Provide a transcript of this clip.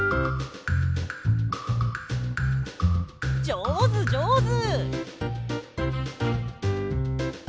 じょうずじょうず！